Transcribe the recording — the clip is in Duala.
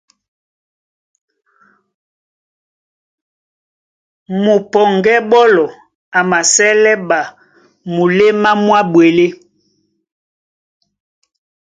Mupɔŋgɛ́ ɓɔ́lɔ a masɛ́lɛ́ ɓa muléma mwá ɓwelé.